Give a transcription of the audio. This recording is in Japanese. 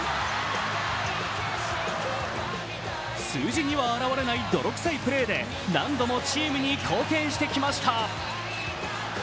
数字には表れない泥臭いプレーで何度もチームに貢献してきました。